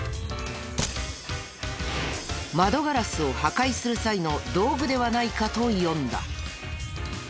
窓ガラスを破壊する際の道具ではないかと読んだ。